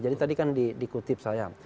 jadi tadi kan dikutip saya